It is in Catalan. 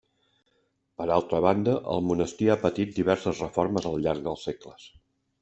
Per altra banda, el monestir ha patit diverses reformes al llarg dels segles.